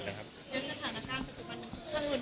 ในสถานการณ์ปัจจุบันมีความอุ่นแรง